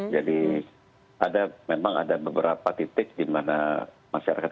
jadi memang ada beberapa titik di mana masyarakat